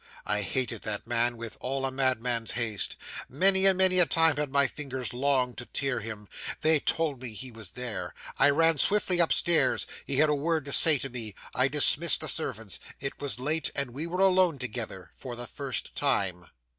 I hated that man with all a madman's hate. Many and many a time had my fingers longed to tear him. They told me he was there. I ran swiftly upstairs. He had a word to say to me. I dismissed the servants. It was late, and we were alone together for the first time.